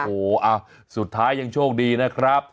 โอ้โหสุดท้ายยังโชคดีนะครับ